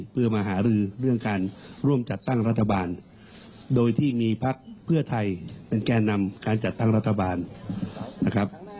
เพื่อมาหารือเรื่องการร่วมจัดตั้งรัฐบาลโดยที่มีพักเพื่อไทยเป็นแก่นำการจัดตั้งรัฐบาลนะครับ